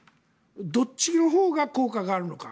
どっちのほうが効果があるのか。